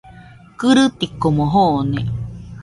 Kɨrɨtikomo joone